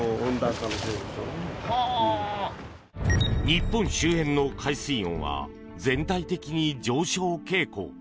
日本周辺の海水温は全体的に上昇傾向。